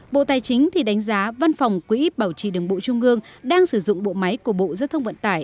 bộ tài chính thì đánh giá văn phòng quỹ bảo trì đường bộ trung ương đang sử dụng bộ máy của bộ giao thông vận tải